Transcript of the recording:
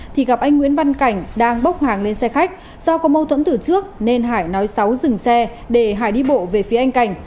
thì gặp anh nguyễn văn cảnh đang bốc hàng lên xe khách do có mâu thuẫn từ trước nên hải nói sáu dừng xe để hải đi bộ về phía anh cảnh